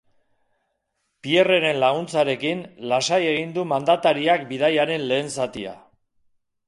Pierreren laguntzarekin, lasai egin du mandatariak bidaiaren lehen zatia.